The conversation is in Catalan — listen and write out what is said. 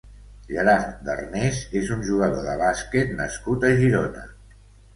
Gerard Darnés és un jugador de bàsquet nascut a Girona.